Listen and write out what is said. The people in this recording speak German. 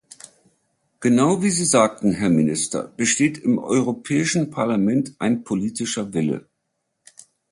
Genau wie Sie sagten, Herr Minister, besteht im Europäischen Parlament ein politischer Wille.